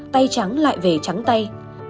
tay trắng lại về trắng tay